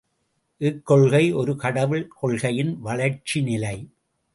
இக்கொள்கை ஒரு கடவுள் கொள்கையின் வளர்ச்சிநிலை.